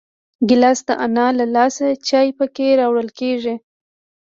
ګیلاس د انا له لاسه چای پکې راوړل کېږي.